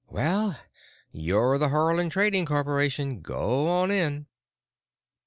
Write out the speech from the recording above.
Well, you're the Haarland Trading Corporation. Go on in." .....